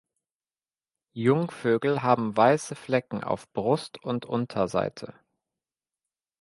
Jungvögel haben weiße Flecken auf Brust und Unterseite.